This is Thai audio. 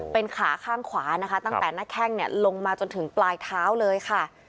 เป็นขาข้างขวานะคะตั้งแต่หน้าแข้งเนี่ยลงมาจนถึงปลายเท้าเลยค่ะ